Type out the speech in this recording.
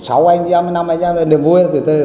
sáu anh em năm anh em là niềm vui